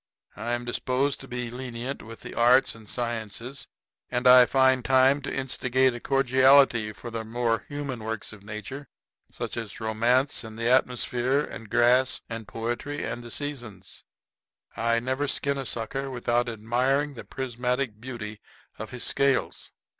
I am disposed to be lenient with the arts and sciences; and I find time to instigate a cordiality for the more human works of nature, such as romance and the atmosphere and grass and poetry and the Seasons. I never skin a sucker without admiring the prismatic beauty of his scales.